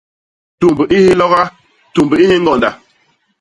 Tumb i hiloga; tumb i hiñgonda.